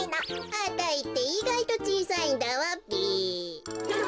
あたいっていがいとちいさいんだわべ。